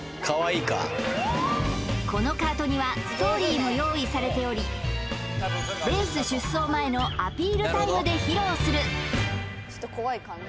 このカートにはストーリーも用意されておりレース出走前のアピールタイムで披露するアカン！